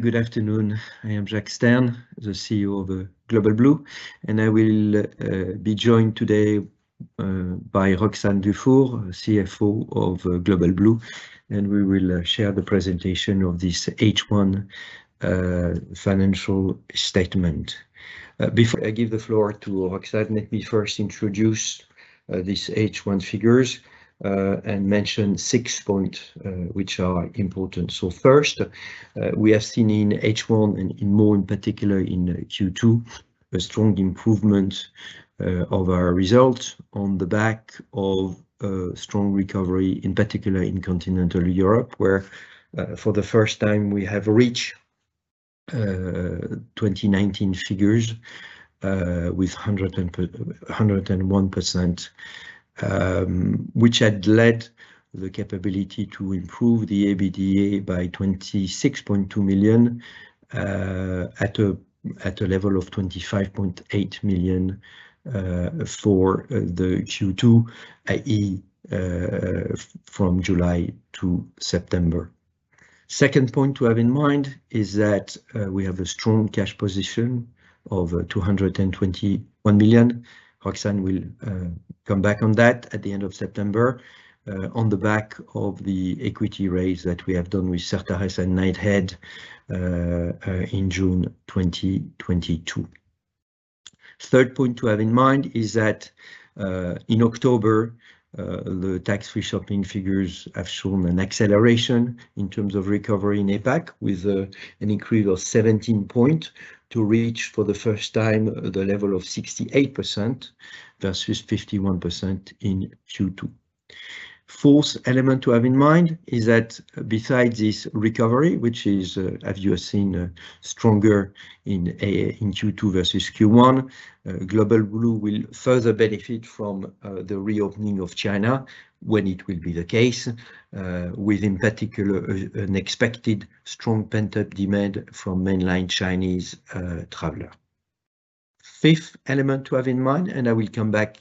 Good afternoon. I am Jacques Stern, the CEO of Global Blue, and I will be joined today by Roxane Dufour, CFO of Global Blue, and we will share the presentation of this H1 financial statement. Before I give the floor to Roxane, let me first introduce this H1 figures and mention 6 point which are important. First, we have seen in H1, and in particular in Q2, a strong improvement of our results on the back of a strong recovery, in particular in continental Europe, where, for the first time we have reached 2019 figures, with 101%, which had led the capability to improve the EBITDA by 26.2 million, at a level of 25.8 million for the Q2, i.e., from July to September. Second point to have in mind is that we have a strong cash position of 221 million. Roxane will come back on that at the end of September, on the back of the equity raise that we have done with Certares and Knighthead in June 2022. Third point to have in mind is that in October, the tax-free shopping figures have shown an acceleration in terms of recovery in APAC with an increase of 17 point to reach for the first time the level of 68% versus 51% in Q2. Fourth element to have in mind is that besides this recovery, which is, as you have seen, stronger in Q2 versus Q1, Global Blue will further benefit from the reopening of China when it will be the case, with in particular, an expected strong pent-up demand from mainland Chinese traveler. Fifth element to have in mind, I will come back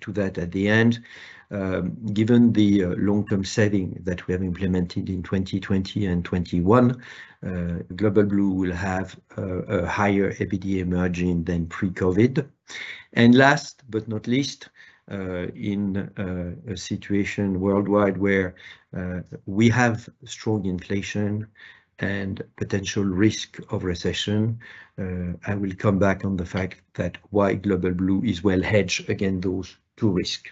to that at the end, given the long-term setting that we have implemented in 2020 and 2021, Global Blue will have a higher EBITDA margin than pre-COVID. Last but not least, in a situation worldwide where we have strong inflation and potential risk of recession, I will come back on the fact that why Global Blue is well hedged against those two risk.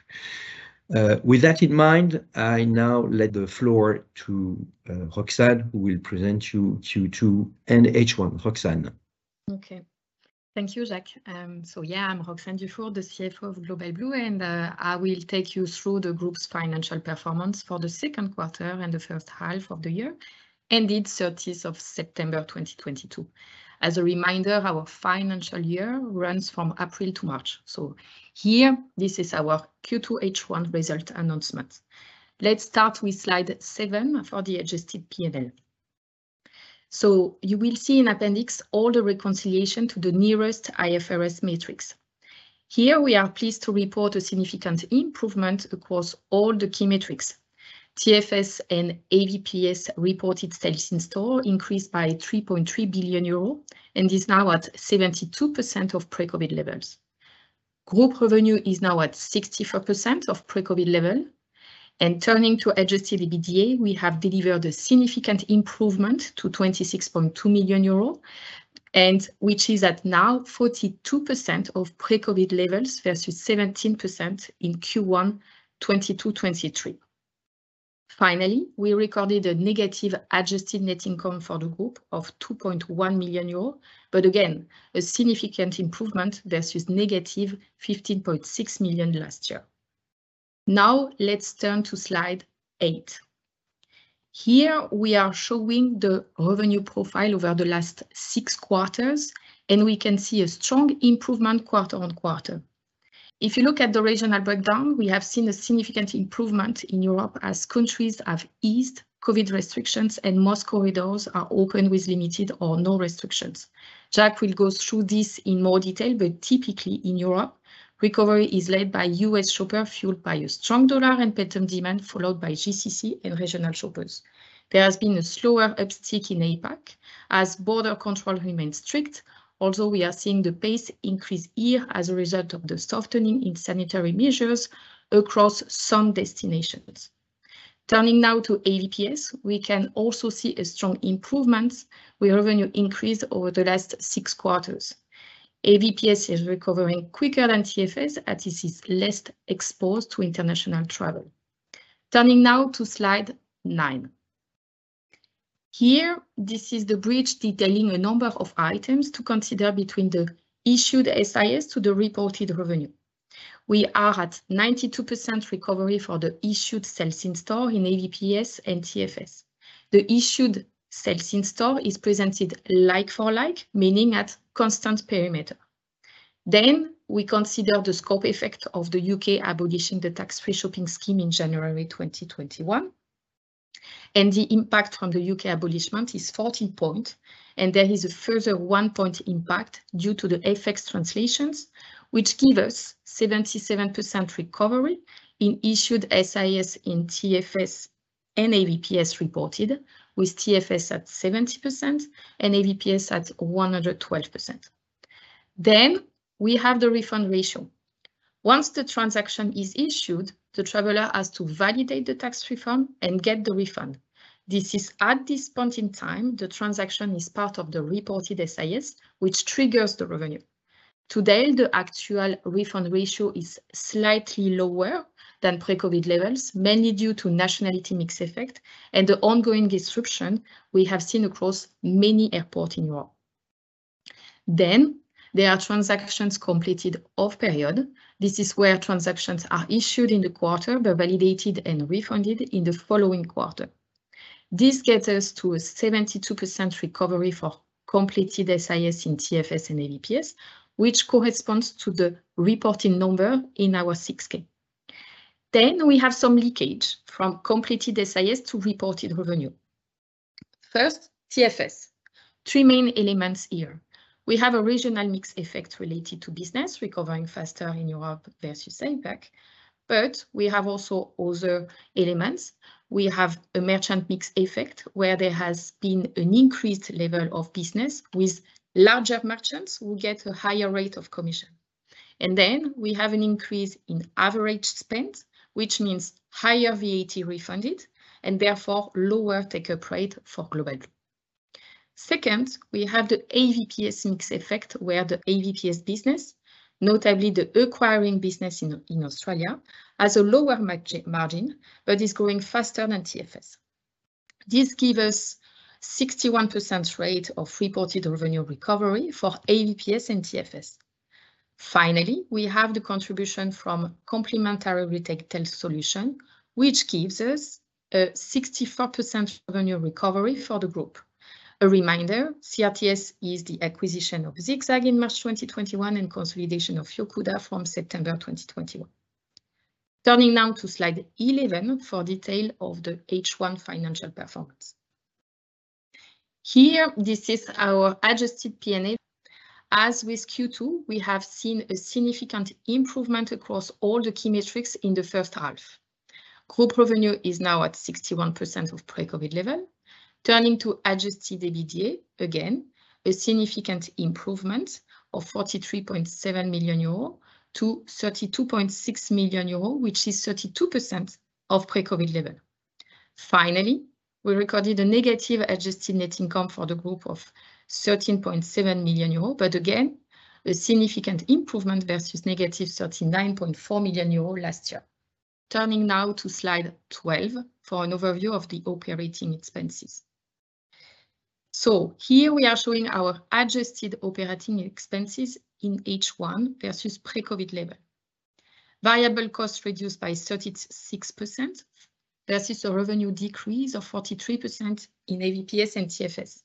With that in mind, I now let the floor to Roxane, who will present you Q2 and H1. Roxane. Okay. Thank you, Jacques. Yeah, I'm Roxane Dufour, the CFO of Global Blue, and I will take you through the group's financial performance for the second quarter and the first half of the year ended September 30, 2022. As a reminder, our financial year runs from April to March. Here, this is our Q2 H1 result announcement. Let's start with slide 7 for the adjusted P&L. You will see in appendix all the reconciliation to the nearest IFRS metrics. Here, we are pleased to report a significant improvement across all the key metrics. TFS and AVPS reported sales in-store increased by 3.3 billion euro and is now at 72% of pre-COVID levels. Group revenue is now at 64% of pre-COVID level. Turning to adjusted EBITDA, we have delivered a significant improvement to 26.2 million euro, which is at now 42% of pre-COVID levels versus 17% in Q1 2022-2023. Finally, we recorded a negative adjusted net income for the group of 2.1 million euros, again, a significant improvement versus negative 15.6 million last year. Now let's turn to slide 8. Here, we are showing the revenue profile over the last 6 quarters. We can see a strong improvement quarter-on-quarter. If you look at the regional breakdown, we have seen a significant improvement in Europe as countries have eased COVID restrictions and most corridors are open with limited or no restrictions. Jacques Stern will go through this in more detail. Typically in Europe, recovery is led by U.S. shopper fueled by a strong dollar and pent-up demand, followed by GCC and regional shoppers. There has been a slower uptick in APAC, as border control remains strict. We are seeing the pace increase here as a result of the softening in sanitary measures across some destinations. Turning now to AVPS, we can also see a strong improvement with revenue increase over the last 6 quarters. AVPS is recovering quicker than TFS as this is less exposed to international travel. Turning now to slide 9. This is the bridge detailing a number of items to consider between the issued SIS to the reported revenue. We are at 92% recovery for the issued Sales in Store in AVPS and TFS. The issued sales in-store is presented like-for-like, meaning at constant perimeter. We consider the scope effect of the UK abolishing the tax-free shopping scheme in January 2021, and the impact from the UK abolishment is 14 point, and there is a further 1 point impact due to the FX translations, which give us 77% recovery in issued SIS in TFS and AVPS reported with TFS at 70% and AVPS at 112%. We have the refund ratio. Once the transaction is issued, the traveler has to validate the Tax Free form and get the refund. This is at this point in time, the transaction is part of the reported SIS, which triggers the revenue. Today, the actual refund ratio is slightly lower than pre-COVID levels, mainly due to nationality mix effect and the ongoing disruption we have seen across many airport in Europe. There are transactions completed off period. This is where transactions are issued in the quarter but validated and refunded in the following quarter. This gets us to a 72% recovery for completed SIS in TFS and AVPS, which corresponds to the reporting number in our Form 6-K. We have some leakage from completed SIS to reported revenue. First, TFS. Three main elements here. We have a regional mix effect related to business recovering faster in Europe versus APAC, but we have also other elements. We have a merchant mix effect where there has been an increased level of business with larger merchants who get a higher rate of commission. We have an increase in average spend, which means higher VAT refunded and therefore lower take-up rate for Global Blue. We have the AVPS mix effect where the AVPS business, notably the acquiring business in Australia, has a lower margin but is growing faster than TFS. This give us 61% rate of reported revenue recovery for AVPS and TFS. We have the contribution from complementary Retail Tech Solutions, which gives us a 64% revenue recovery for the group. A reminder, CRTS is the acquisition of ZigZag in March 2021 and consolidation of Yocuda from September 2021. Turning now to slide 11 for detail of the H1 financial performance. Here, this is our adjusted P&L. As with Q2, we have seen a significant improvement across all the key metrics in the first half. Group revenue is now at 61% of pre-COVID level. Turning to adjusted EBITDA, again, a significant improvement of 43.7 million euros to 32.6 million euros, which is 32% of pre-COVID level. Finally, we recorded a negative adjusted net income for the group of 13.7 million euros, again, a significant improvement versus negative 39.4 million euros last year. Turning now to slide 12 for an overview of the operating expenses. Here we are showing our adjusted operating expenses in H1 versus pre-COVID level. Variable costs reduced by 36% versus a revenue decrease of 43% in AVPS and TFS.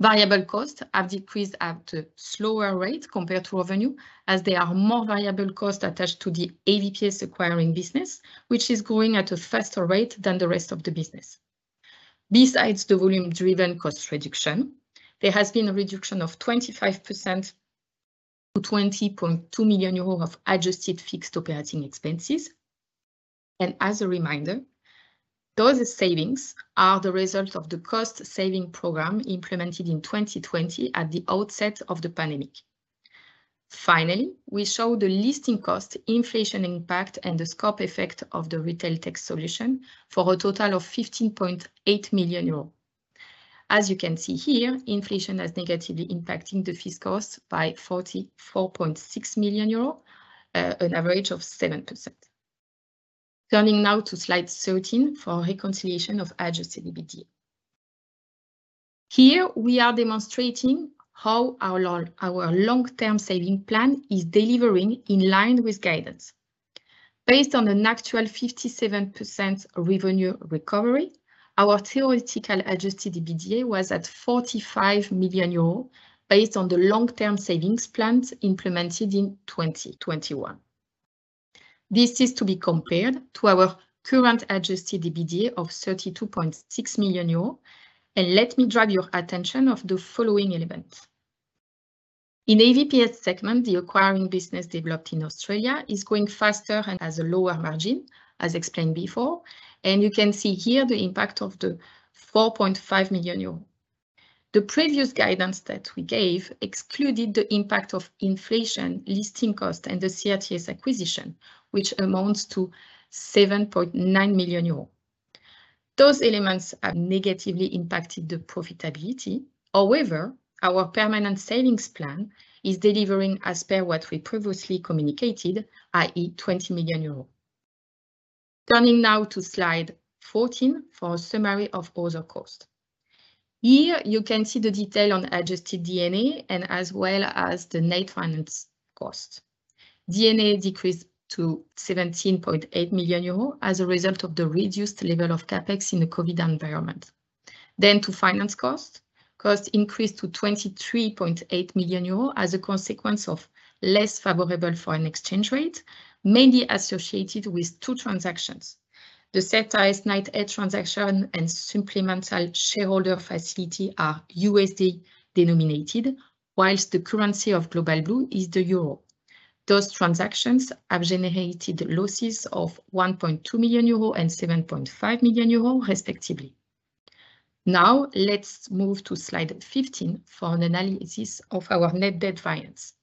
Variable costs have decreased at a slower rate compared to revenue, as there are more variable costs attached to the AVPS acquiring business, which is growing at a faster rate than the rest of the business. Besides the volume-driven cost reduction, there has been a reduction of 25% to 20.2 million euros of adjusted fixed operating expenses. As a reminder, those savings are the result of the cost-saving program implemented in 2020 at the outset of the pandemic. Finally, we show the listing cost, inflation impact, and the scope effect of the Retail Tech Solution for a total of 15.8 million euro. As you can see here, inflation has negatively impacted the fees cost by 44.6 million euro, an average of 7%. Turning now to slide 13 for reconciliation of adjusted EBITDA. Here we are demonstrating how our long-term saving plan is delivering in line with guidance. Based on an actual 57% revenue recovery, our theoretical adjusted EBITDA was at 45 million euros based on the long-term savings plans implemented in 2021. This is to be compared to our current adjusted EBITDA of 32.6 million euros. Let me draw your attention of the following elements. In AVPS segment, the acquiring business developed in Australia is growing faster and has a lower margin, as explained before, and you can see here the impact of 4.5 million euro. The previous guidance that we gave excluded the impact of inflation, listing cost, and the CRTS acquisition, which amounts to 7.9 million euros. Those elements have negatively impacted the profitability. However, our permanent savings plan is delivering as per what we previously communicated, i.e., 20 million euro. Turning now to slide 14 for a summary of other cost. Here you can see the detail on adjusted D&A and as well as the net finance cost. D&A decreased to 17.8 million euros as a result of the reduced level of CapEx in the COVID environment. To finance cost. Cost increased to 23.8 million euros as a consequence of less favorable foreign exchange rate, mainly associated with two transactions. The Certares / Knighthead transaction and supplemental shareholder facility are USD-denominated, whilst the currency of Global Blue is the euro. Those transactions have generated losses of 1.2 million euro and 7.5 million euro respectively. Let's move to slide 15 for an analysis of our net debt finance.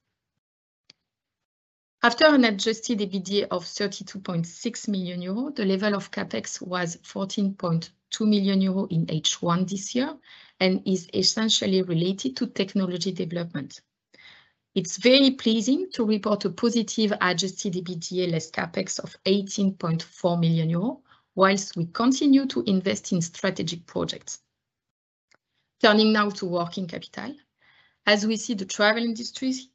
After an adjusted EBITDA of 32.6 million euros, the level of CapEx was 14.2 million euros in H1 this year, and is essentially related to technology development. It's very pleasing to report a positive adjusted EBITDA less CapEx of 18.4 million euros whilst we continue to invest in strategic projects. Turning now to working capital. As we see the travel industries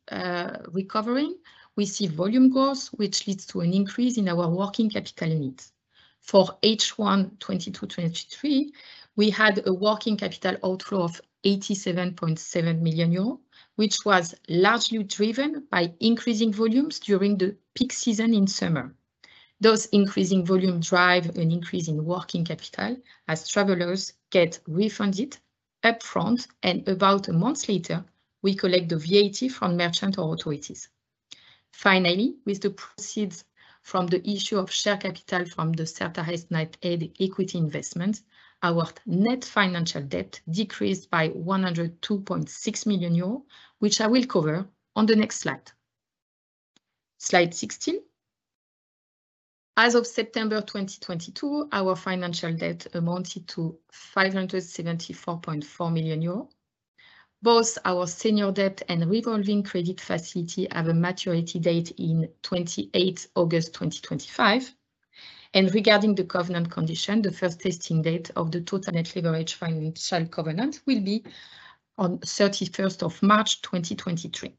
recovering, we see volume growth, which leads to an increase in our working capital needs. For H1 2022/2023, we had a working capital outflow of 87.7 million euros, which was largely driven by increasing volumes during the peak season in summer. Those increasing volume drive an increase in working capital as travelers get refunded upfront, and about a month later, we collect the VAT from merchant authorities. Finally, with the proceeds from the issue of share capital from the Certares, Knighthead equity investment, our net financial debt decreased by 102.6 million euros, which I will cover on the next slide. Slide 16. As of September 2022, our financial debt amounted to 574.4 million euros. Both our senior debt and revolving credit facility have a maturity date in August 28, 2025. Regarding the covenant condition, the first testing date of the total net leverage financial covenant will be on March 31st, 2023.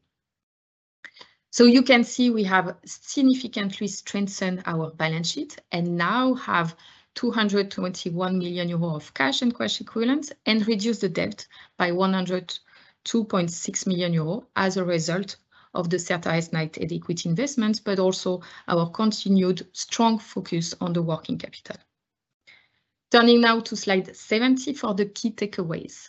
You can see we have significantly strengthened our balance sheet and now have 221 million euro of cash and cash equivalents and reduced the debt by 102.6 million euro as a result of the Certares, Knighthead equity investments, but also our continued strong focus on the working capital. Turning now to slide 17 for the key takeaways.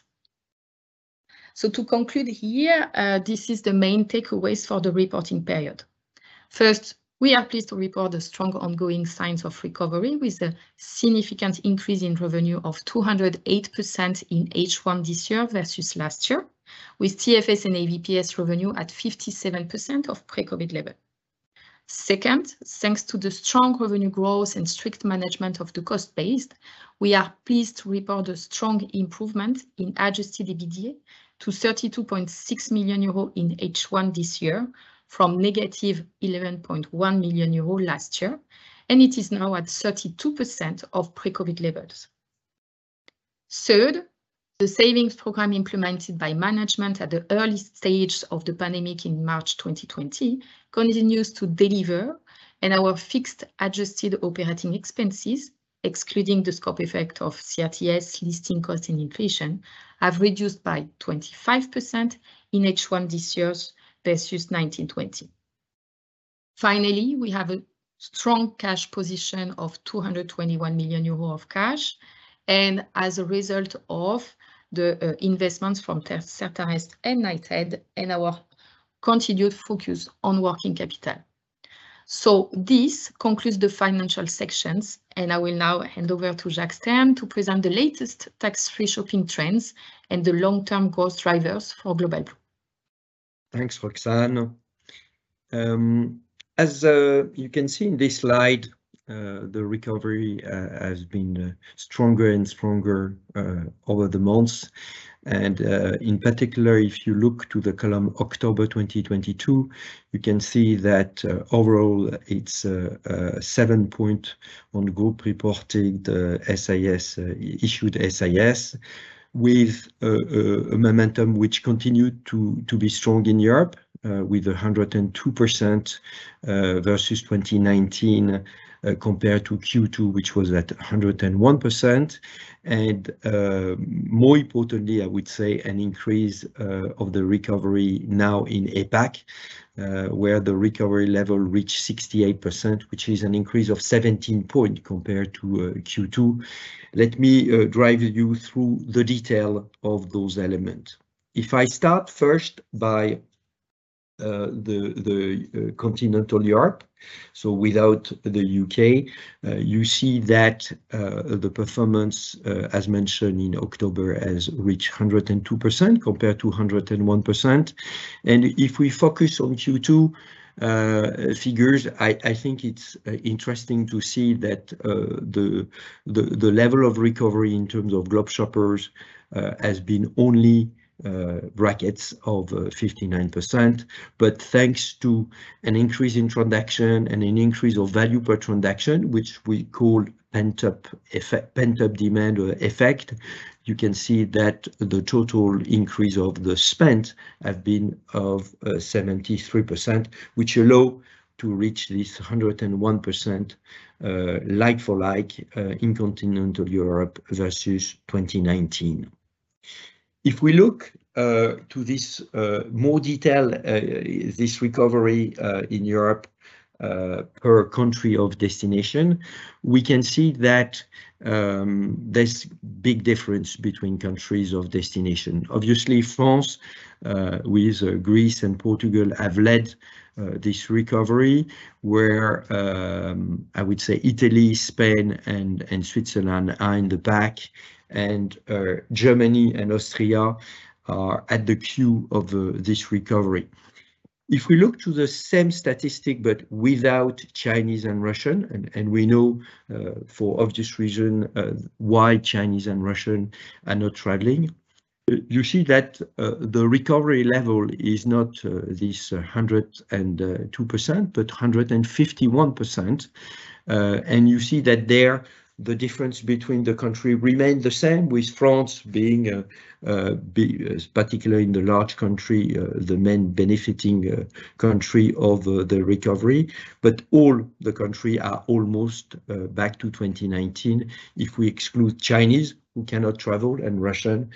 To conclude here, this is the main takeaways for the reporting period. First, we are pleased to report the strong ongoing signs of recovery with a significant increase in revenue of 208% in H1 this year versus last year, with TFS and AVPS revenue at 57% of pre-COVID level. Second, thanks to the strong revenue growth and strict management of the cost base, we are pleased to report a strong improvement in adjusted EBITDA to 32.6 million euro in H1 this year from negative 11.1 million euro last year, and it is now at 32% of pre-COVID levels. Third, the savings program implemented by management at the early stage of the pandemic in March 2020 continues to deliver, and our fixed adjusted operating expenses, excluding the scope effect of CRTS, listing costs and inflation, have reduced by 25% in H1 this year versus 2019/2020. Finally, we have a strong cash position of 221 million euro of cash, and as a result of the investments from Certares and Knighthead and our continued focus on working capital. This concludes the financial sections, and I will now hand over to Jacques Stern to present the latest tax-free shopping trends and the long-term growth drivers for Global Blue. Thanks, Roxane. As you can see in this slide, the recovery has been stronger and stronger over the months. In particular, if you look to the column October 2022, you can see that overall it's 7 point on group-reported SIS, issued SIS with a momentum which continued to be strong in Europe, with 102% versus 2019, compared to Q2, which was at 101%. More importantly, I would say an increase of the recovery now in APAC, where the recovery level reached 68%, which is an increase of 17 point compared to Q2. Let me drive you through the detail of those elements. If I start first by the continental Europe, so without the U.K., you see that the performance as mentioned in October has reached 102% compared to 101%. If we focus on Q2 figures, I think it's interesting to see that the level of recovery in terms of globe shoppers has been only brackets of 59%. Thanks to an increase in transaction and an increase of value per transaction, which we call pent-up demand or effect, you can see that the total increase of the spent have been of 73%, which allow to reach this 101% like for like in continental Europe versus 2019. If we look to this more detail, this recovery in Europe per country of destination, we can see that this big difference between countries of destination. Obviously, France, with Greece and Portugal have led this recovery where I would say Italy, Spain and Switzerland are in the back and Germany and Austria are at the queue of this recovery. If we look to the same statistic but without Chinese and Russian, and we know for obvious reason, why Chinese and Russian are not traveling. You see that the recovery level is not this 102%, but 151%. You see that there, the difference between the country remained the same, with France being particularly in the large country, the main benefiting country of the recovery. All the country are almost back to 2019 if we exclude Chinese, who cannot travel, and Russian,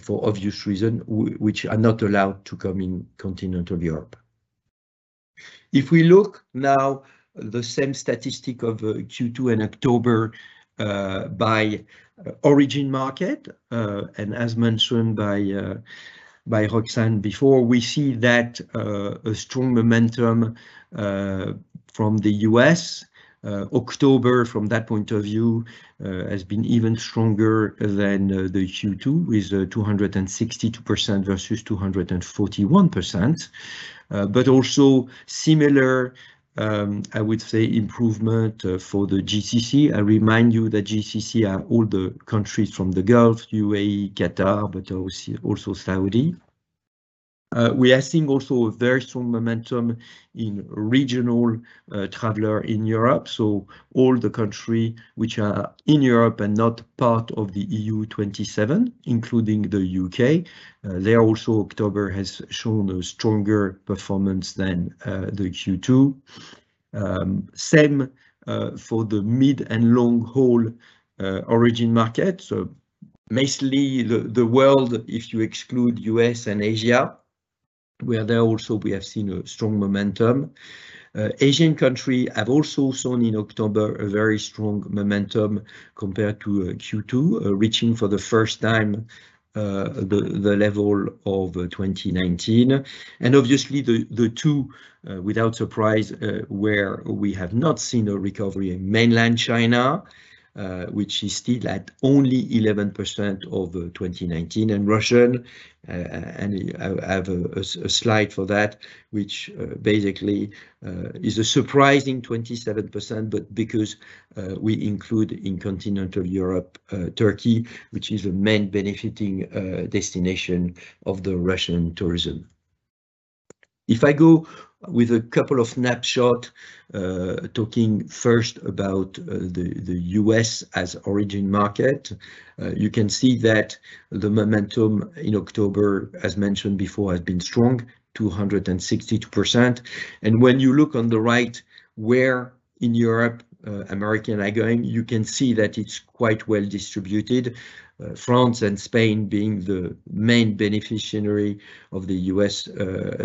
for obvious reason, which are not allowed to come in Continental Europe. If we look now the same statistic of Q2 and October, by origin market, and as mentioned by Roxane before, we see that a strong momentum from the U.S. October, from that point of view, has been even stronger than the Q2, with 262% versus 241%. Also similar, I would say, improvement for the GCC. I remind you that GCC are all the countries from the Gulf: UAE, Qatar, but also Saudi. We are seeing also a very strong momentum in regional traveler in Europe. All the country which are in Europe and not part of the EU 27, including the UK. There also October has shown a stronger performance than the Q2. Same for the mid- and long-haul origin market. Mostly the world, if you exclude US and Asia, where there also we have seen a strong momentum. Asian country have also shown in October a very strong momentum compared to Q2, reaching for the first time the level of 2019. Obviously the two, without surprise, where we have not seen a recovery in mainland China, which is still at only 11% of 2019. Russian, I have a slide for that, which basically is a surprising 27%, but because we include in Continental Europe, Turkey, which is a main benefiting destination of the Russian tourism. If I go with a couple of snapshot, talking first about the US as origin market. You can see that the momentum in October, as mentioned before, has been strong, 262%. When you look on the right where in Europe, American are going, you can see that it's quite well-distributed. France and Spain being the main beneficiary of the US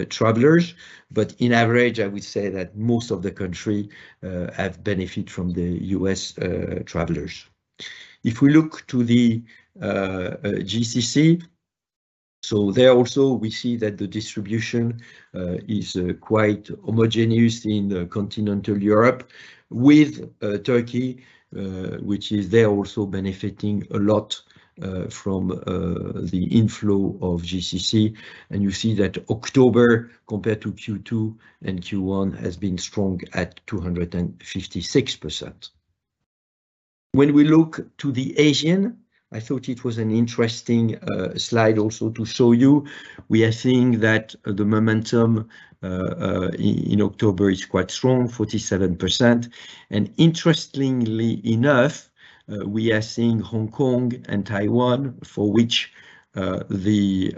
travelers. On average, I would say that most of the country have benefited from the US travelers. If we look to the GCC, there also we see that the distribution is quite homogeneous in Continental Europe with Turkey, which is there also benefiting a lot from the inflow of GCC. You see that October compared to Q2 and Q1 has been strong at 256%. When we look to the Asian, I thought it was an interesting slide also to show you. We are seeing that the momentum in October is quite strong, 47%. Interestingly enough, we are seeing Hong Kong and Taiwan, for which the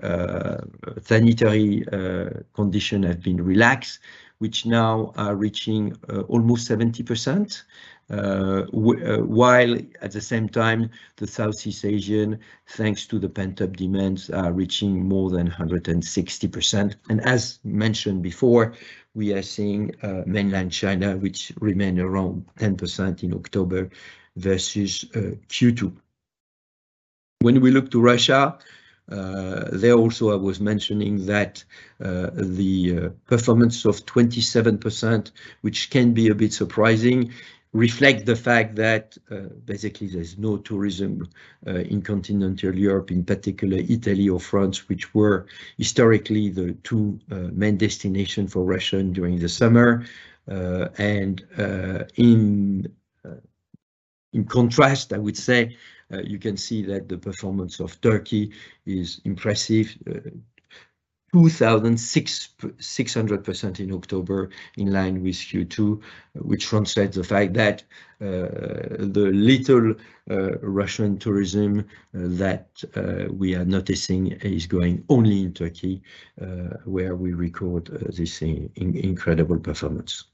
sanitary conditions have been relaxed, which now are reaching almost 70%. While at the same time, the Southeast Asian, thanks to the pent-up demands, are reaching more than 160%. As mentioned before, we are seeing mainland China, which remain around 10% in October versus Q2. When we look to Russia, there also I was mentioning that the performance of 27%, which can be a bit surprising, reflect the fact that basically there's no tourism in Continental Europe, in particular Italy or France, which were historically the two main destination for Russian during the summer. In contrast, I would say, you can see that the performance of Turkey is impressive. 2,600% in October, in line with Q2, which translates the fact that the little Russian tourism that we are noticing is going only in Turkey, where we record this incredible performance.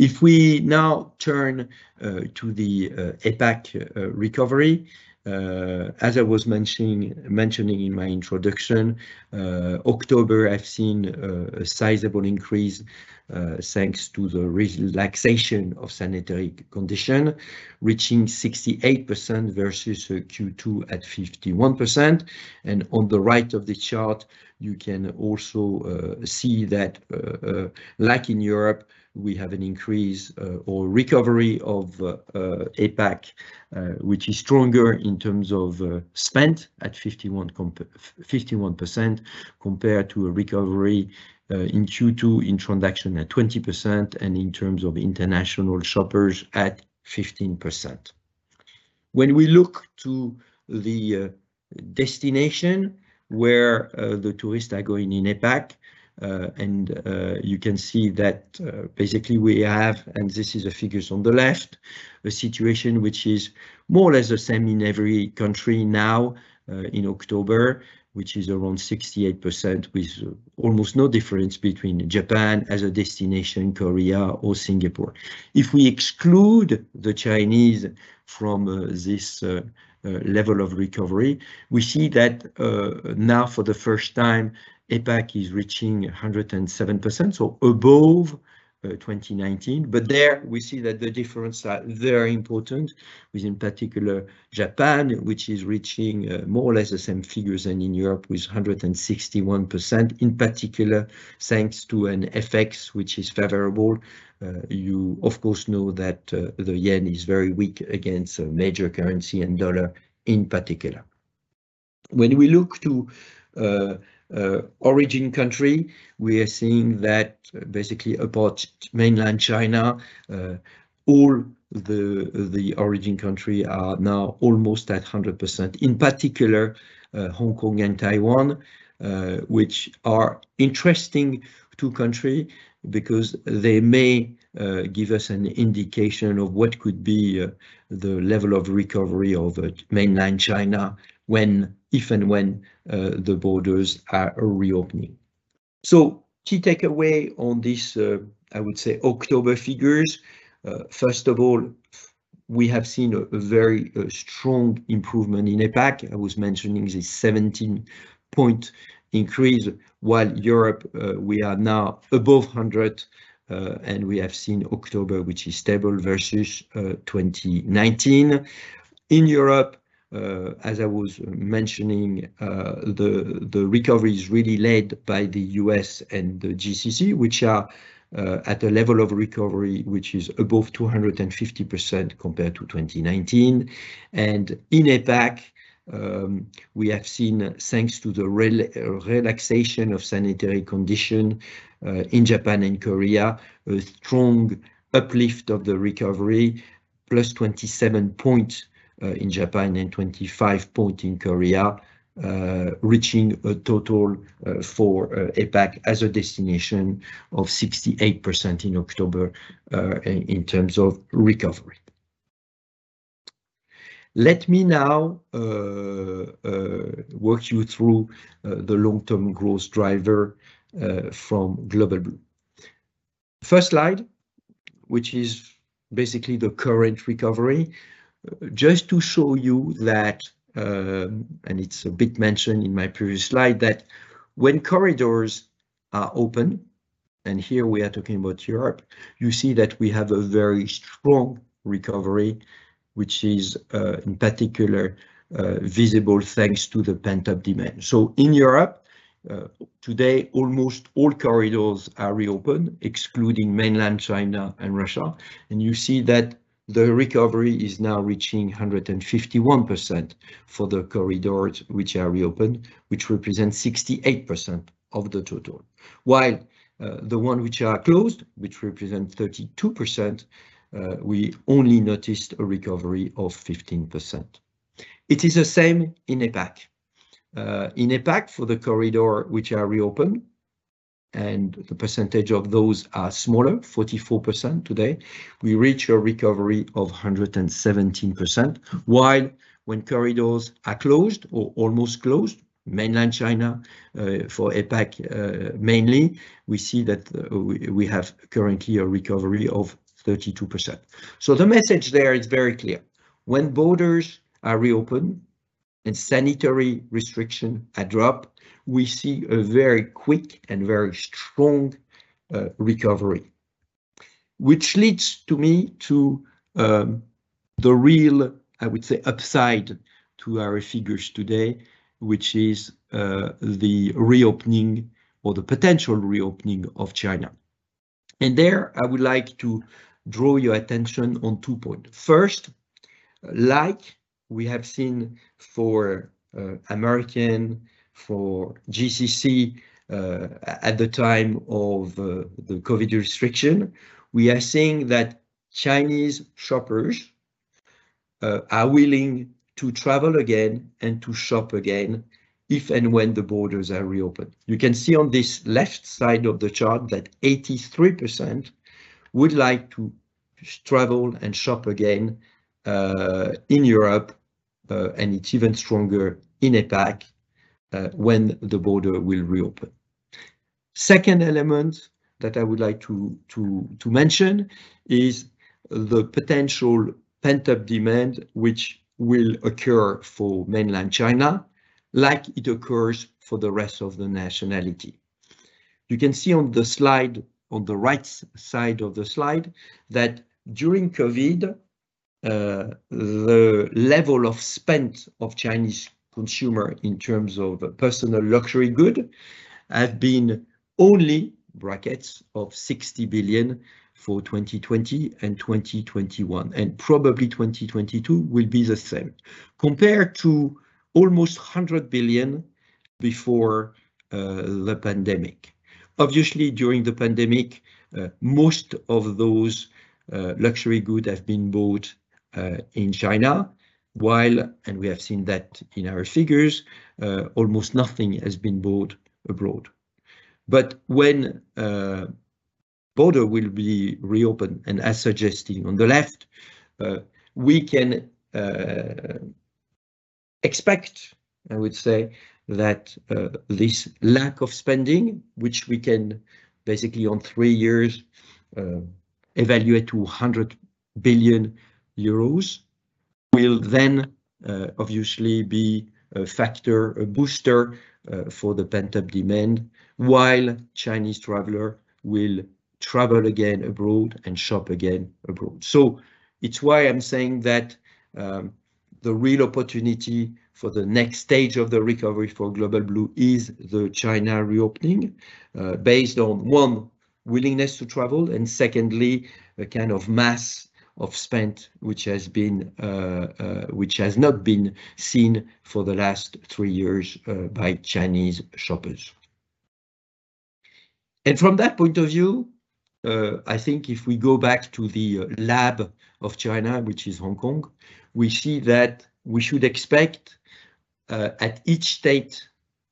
If we now turn to the APAC recovery, as I was mentioning in my introduction, October has seen a sizable increase thanks to the relaxation of sanitary condition, reaching 68% versus Q2 at 51%. On the right of the chart, you can also see that, like in Europe, we have an increase or recovery of APAC, which is stronger in terms of spend at 51% compared to a recovery in Q2 in transaction at 20% and in terms of international shoppers at 15%. When we look to the destination where the tourists are going in APAC, you can see that basically we have, and this is the figures on the left, a situation which is more or less the same in every country now in October, which is around 68% with almost no difference between Japan as a destination, Korea or Singapore. If we exclude the Chinese from this level of recovery, we see that now for the first time, APAC is reaching 107%, so above 2019. There we see that the difference are very important with, in particular, Japan, which is reaching more or less the same figures than in Europe with 161%, in particular, thanks to an FX which is favorable. You of course know that the yen is very weak against major currency and dollar in particular. When we look to origin country, we are seeing that basically apart Mainland China, all the origin country are now almost at 100%, in particular Hong Kong and Taiwan, which are interesting two country because they may give us an indication of what could be the level of recovery of Mainland China when, if and when, the borders are reopening. Key takeaway on this, I would say October figures, first of all, we have seen a very strong improvement in APAC. I was mentioning the 17-point increase. Europe, we are now above 100, and we have seen October, which is stable versus 2019. In Europe, as I was mentioning, the recovery is really led by the U.S. and the GCC, which are at a level of recovery which is above 250% compared to 2019. In APAC, we have seen, thanks to the relaxation of sanitary condition, in Japan and Korea, a strong uplift of the recovery, +27 points in Japan and 25 point in Korea, reaching a total for APAC as a destination of 68% in October, in terms of recovery. Let me now walk you through the long-term growth driver from Global Blue. First slide, which is basically the current recovery, just to show you that, it's a bit mentioned in my previous slide, that when corridors are open, and here we are talking about Europe, you see that we have a very strong recovery, which is in particular visible thanks to the pent-up demand. In Europe, today almost all corridors are reopened, excluding Mainland China and Russia. You see that the recovery is now reaching 151% for the corridors which are reopened, which represents 68% of the total. While the one which are closed, which represent 32%, we only noticed a recovery of 15%. It is the same in APAC. In APAC, for the corridor which are reopened, and the percentage of those are smaller, 44% today, we reach a recovery of 117%. While when corridors are closed or almost closed, Mainland China, for APAC, mainly, we see that we have currently a recovery of 32%. The message there is very clear. When borders are reopened and sanitary restriction are dropped, we see a very quick and very strong recovery. Which leads to me to the real, I would say, upside to our figures today, which is the reopening or the potential reopening of China. There I would like to draw your attention on 2 point. First, like we have seen for American, for GCC, at the time of the COVID restriction, we are seeing that Chinese shoppers are willing to travel again and to shop again if and when the borders are reopened. You can see on this left side of the chart that 83% would like to travel and shop again in Europe. It's even stronger in APAC when the border will reopen. Second element that I would like to mention is the potential pent-up demand which will occur for mainland China like it occurs for the rest of the nationality. You can see on the slide, on the right side of the slide, that during COVID, the level of spend of Chinese consumer in terms of personal luxury good have been only brackets of 60 billion for 2020 and 2021, and probably 2022 will be the same, compared to almost 100 billion before the pandemic. Obviously, during the pandemic, most of those luxury good have been bought in China, while, and we have seen that in our figures, almost nothing has been bought abroad. When border will be reopened, and as suggested on the left, we can expect, I would say, that this lack of spending, which we can basically on three years evaluate to 100 billion euros, will then obviously be a factor, a booster for the pent-up demand, while Chinese traveler will travel again abroad and shop again abroad. It's why I'm saying that the real opportunity for the next stage of the recovery for Global Blue is the China reopening, based on, one, willingness to travel and secondly, the kind of mass of spend which has not been seen for the last three years by Chinese shoppers. From that point of view, I think if we go back to the lab of China, which is Hong Kong, we see that we should expect at each state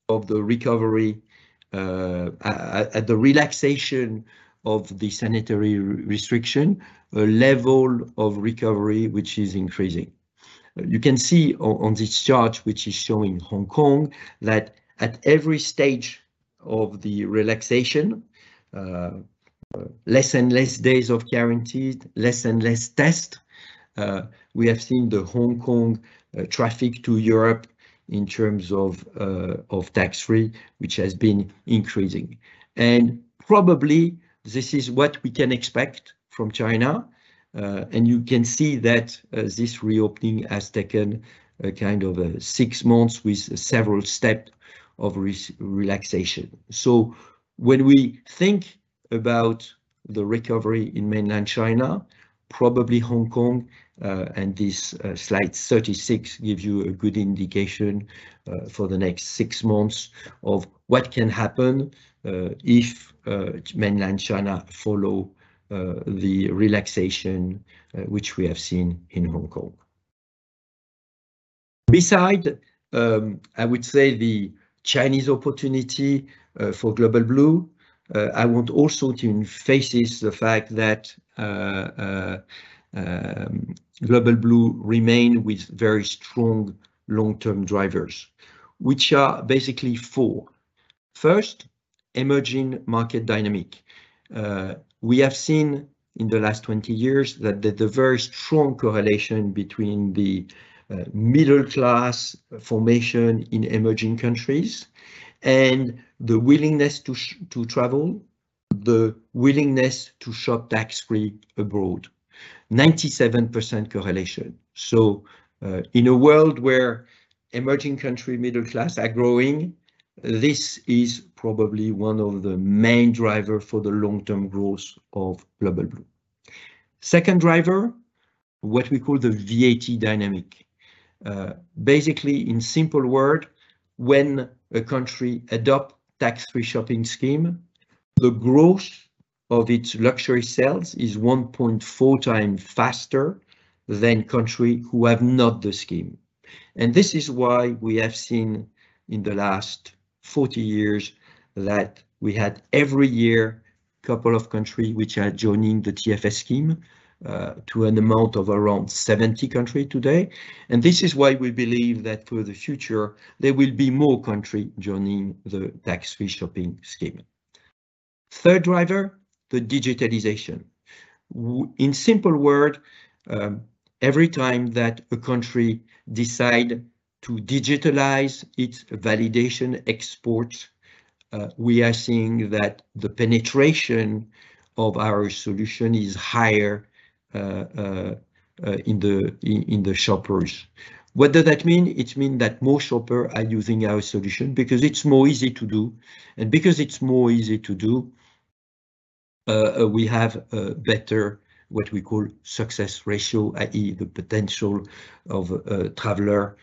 of the recovery, at the relaxation of the sanitary restriction, a level of recovery which is increasing. You can see on this chart, which is showing Hong Kong, that at every stage of the relaxation, less and less days of guaranteed, less and less test, we have seen the Hong Kong traffic to Europe in terms of tax-free, which has been increasing. Probably this is what we can expect from China. You can see that this reopening has taken a kind of a six months with several step of relaxation. When we think about the recovery in Mainland China, probably Hong Kong, and this slide 36 gives you a good indication for the next six months of what can happen, if Mainland China follow the relaxation which we have seen in Hong Kong. Beside, I would say the Chinese opportunity for Global Blue, I want also to emphasize the fact that Global Blue remain with very strong long-term drivers, which are basically four. First, emerging market dynamic. We have seen in the last 20 years that the very strong correlation between the middle class formation in emerging countries and the willingness to travel, the willingness to shop tax-free abroad, 97% correlation. In a world where emerging country middle class are growing, this is probably one of the main driver for the long-term growth of Global Blue. Second driver, what we call the VAT dynamic. Basically, in simple word, when a country adopt tax-free shopping scheme, the growth of its luxury sales is 1.4 times faster than country who have not the scheme. This is why we have seen in the last 40 years that we had every year couple of country which are joining the TFS scheme, to an amount of around 70 country today. This is why we believe that for the future there will be more country joining the tax-free shopping scheme. Third driver, the digitalization. In simple word, every time that a country decide to digitalize its export validation, we are seeing that the penetration of our solution is higher in the shoppers. What does that mean? It means that more shopper are using our solution because it's more easy to do. Because it's more easy to do, we have a better, what we call success ratio, i.e. the potential of a traveler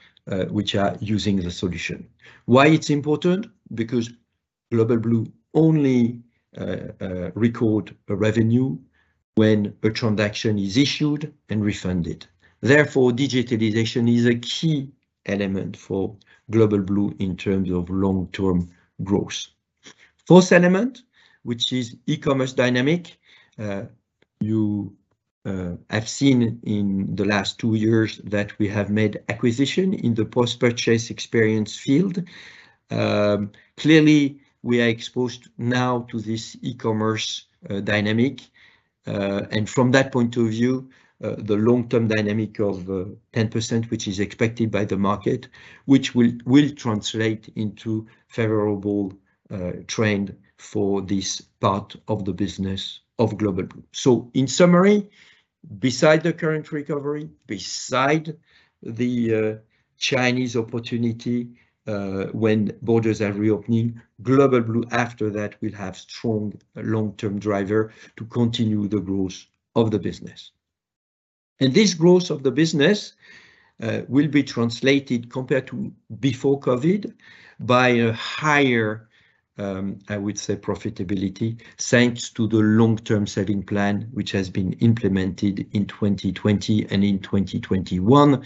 which are using the solution. Why it's important? Because Global Blue only record a revenue when a transaction is issued and refunded. Therefore, digitalization is a key element for Global Blue in terms of long-term growth. Fourth element, which is e-commerce dynamic. You have seen in the last 2 years that we have made acquisition in the post-purchase experience field. Clearly, we are exposed now to this e-commerce dynamic. From that point of view, the long-term dynamic of 10%, which is expected by the market, will translate into favorable trend for this part of the business of Global Blue. In summary, beside the current recovery, beside the Chinese opportunity, when borders are reopening, Global Blue after that will have strong long-term driver to continue the growth of the business. This growth of the business will be translated compared to before COVID by a higher, I would say, profitability, thanks to the long-term saving plan, which has been implemented in 2020 and in 2021.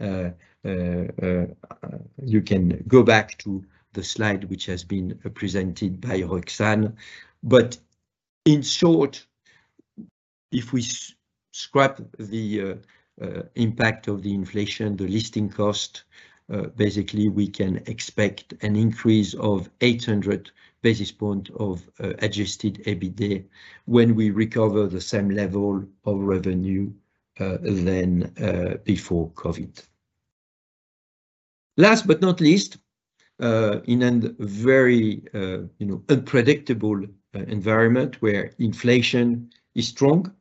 From that point of view, I, you can go back to the slide which has been presented by Roxane. In short, if we scrap the impact of the inflation, the listing cost, basically we can expect an increase of 800 basis point of adjusted EBITDA when we recover the same level of revenue than before COVID. Last but not least, in an very, you know, unpredictable environment where inflation is strong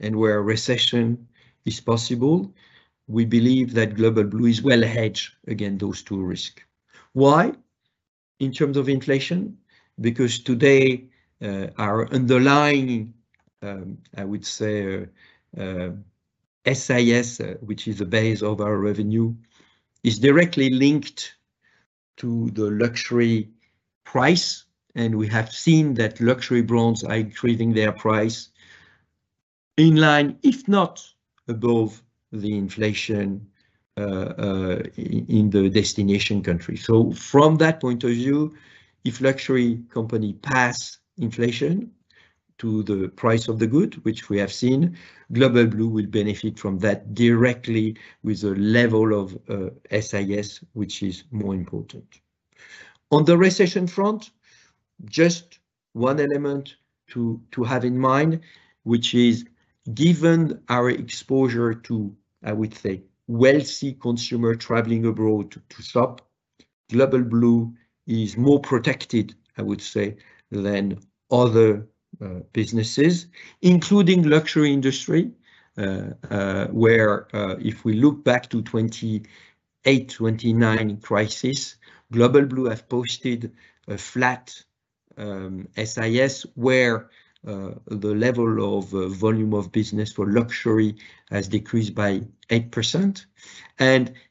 and where recession is possible, we believe that Global Blue is well hedged against those two risk. Why? In terms of inflation, because today, our underlying, I would say, SIS, which is the base of our revenue, is directly linked to the luxury price, and we have seen that luxury brands are increasing their price in line, if not above, the inflation in the destination country. From that point of view, if luxury company pass inflation to the price of the good, which we have seen, Global Blue will benefit from that directly with a level of SIS, which is more important. On the recession front, just one element to have in mind, which is, given our exposure to, I would say, wealthy consumer traveling abroad to shop, Global Blue is more protected, I would say, than other businesses, including luxury industry, where if we look back to 2008, 2009 crisis, Global Blue have posted a flat SIS where the level of volume of business for luxury has decreased by 8%.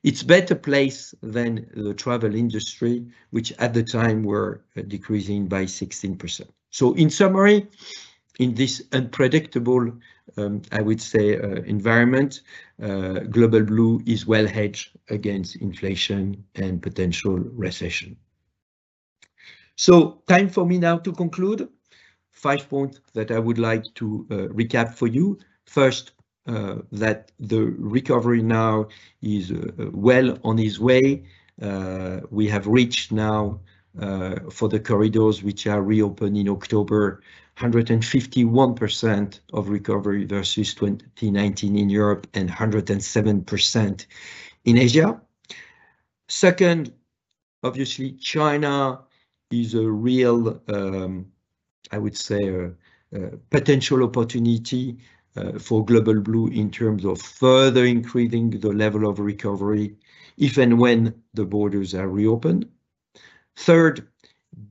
It's better place than the travel industry, which at the time were decreasing by 16%. In summary, in this unpredictable, I would say, environment, Global Blue is well hedged against inflation and potential recession. Time for me now to conclude. Five points that I would like to recap for you. First, that the recovery now is well on its way. We have reached now, for the corridors which are reopened in October, 151% of recovery versus 2019 in Europe, and 107% in Asia. Second, obviously, China is a real, I would say, potential opportunity for Global Blue in terms of further increasing the level of recovery if and when the borders are reopened. Third,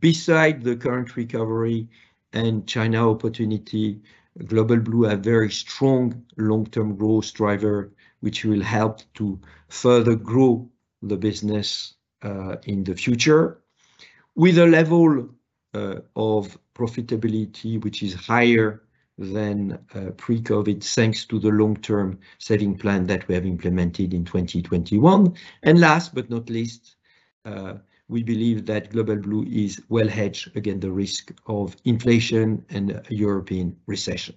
beside the current recovery and China opportunity, Global Blue have very strong long-term growth driver, which will help to further grow the business in the future with a level of profitability which is higher than pre-COVID, thanks to the long-term saving plan that we have implemented in 2021. Last but not least, we believe that Global Blue is well hedged against the risk of inflation and a European recession.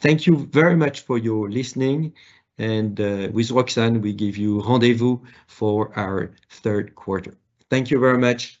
Thank you very much for your listening, and with Roxane, we give you rendezvous for our third quarter. Thank you very much.